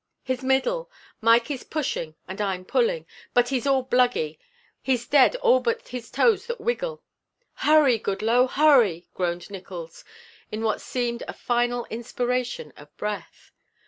"His middle. Mikey's pushing and I'm pulling, but he's all bluggy. He's dead all but his toes that wiggle." "Hurry, Goodloe, hurry!" groaned Nickols, with what seemed a final inspiration of breath.